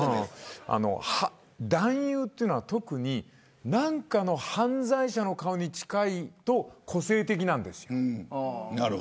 男優というのは特に何かの犯罪者の顔に近いと個性的なんです。